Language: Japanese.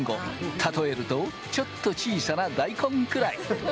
例えると、ちょっと小さな大根くらい。